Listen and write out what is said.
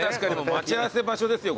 待ち合わせ場所ですよ